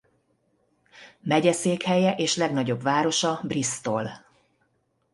Megyeszékhelye és legnagyobb városa Bristol.